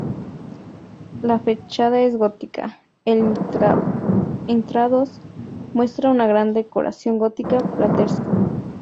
La fachada es gótica, el intradós, muestra una gran decoración gótico plateresca.